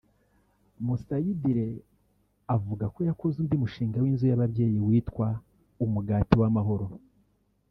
Musayidire avuga yakoze undi mushinga w’inzu y’ababyeyi witwa “Umugati w’amahoro”